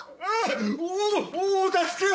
おお助けを！